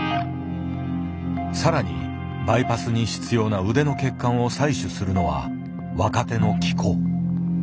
さらにバイパスに必要な腕の血管を採取するのは若手の喜古。